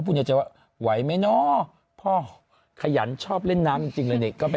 ในใจว่าไหวไหมเนาะพ่อขยันชอบเล่นน้ำจริงเลยนี่ก็เป็น